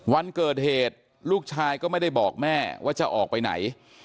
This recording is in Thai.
วันเกิดเหตุลูกชายก็ไม่ได้บอกแม่ว่าจะออกไปไหน